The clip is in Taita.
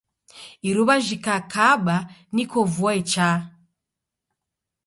Iruw'a jikakaba niko vua ichaa.